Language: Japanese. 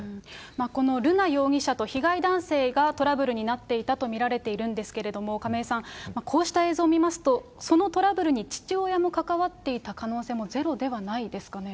この瑠奈容疑者と被害男性がトラブルになっていたと見られているんですけれども、亀井さん、こうした映像を見ますと、そのトラブルに父親も関わっていた可能性もゼロではないですかね。